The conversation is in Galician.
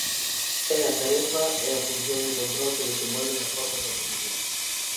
É a tarefa e a función de control que desenvolven as forzas da oposición.